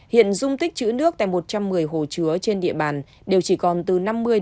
hiện dung tích chữ nước tại một trăm một mươi hồ chứa trên địa bàn đều chỉ còn từ năm mươi